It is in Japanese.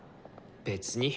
別に。